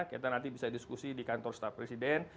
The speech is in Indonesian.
kita nanti bisa diskusi di kantor staf presiden